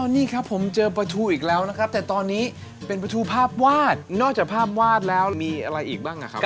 นี่ครับผมเจอประทูอีกแล้วนะครับแต่ตอนนี้เป็นประทูภาพวาดนอกจากภาพวาดแล้วมีอะไรอีกบ้างนะครับ